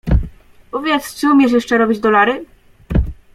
"Powiedz, czy umiesz jeszcze robić dolary?"